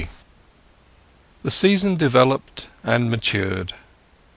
XX The season developed and matured.